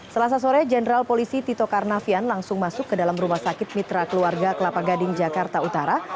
selasa sore jenderal polisi tito karnavian langsung masuk ke dalam rumah sakit mitra keluarga kelapa gading jakarta utara